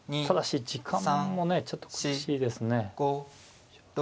ただし時間もねちょっと苦しいですね。